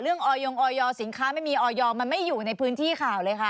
เรื่องอยองอยยอสินค้าไม่มีสิ่งมันไม่อยู่ในพื้นที่ข่าวเลยค่ะ